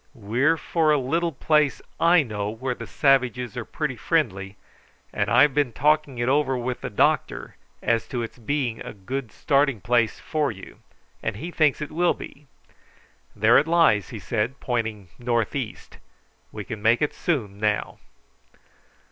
"We're for a little place I know, where the savages are pretty friendly, and I've been talking it over with the doctor as to its being a good starting place for you, and he thinks it will be. There it lies," he said, pointing north east. "We can soon make it now."